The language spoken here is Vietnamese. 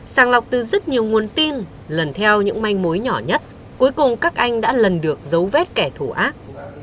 sàng lọc từ rất nhiều nguồn tin lần theo những manh mối nhỏ nhất cuối cùng các anh đã lần được giấu vết kẻ thù ác